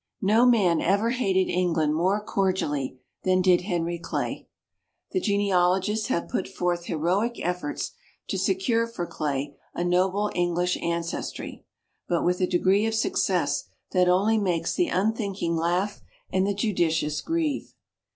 No man ever hated England more cordially than did Henry Clay. The genealogists have put forth heroic efforts to secure for Clay a noble English ancestry, but with a degree of success that only makes the unthinking laugh and the judicious grieve.